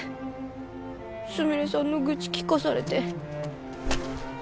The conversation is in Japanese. すみれさんの愚痴聞かされて。